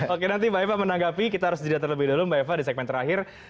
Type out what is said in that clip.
oke nanti mbak eva menanggapi kita harus jeda terlebih dahulu mbak eva di segmen terakhir